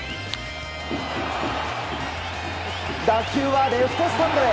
打球はレフトスタンドへ。